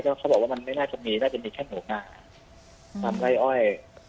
เขาบอกว่ามันไม่น่าจะมีน่าจะมีแค่หนูงาตามไล่อ้อย